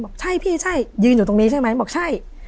บอกใช่พี่ใช่ยืนอยู่ตรงนี้ใช่ไหมบอกใช่